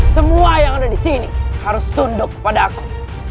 semua yang ada di sini harus tunduk kepada aku